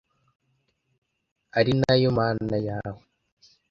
ari na yo Mana yawe